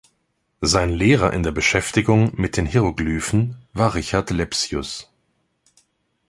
Sein Lehrer in der Beschäftigung mit den Hieroglyphen war Richard Lepsius.